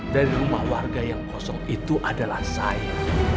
dari rumah warga yang kosong itu adalah saya